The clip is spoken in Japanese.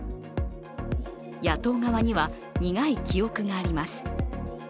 野党側には苦い記憶があります。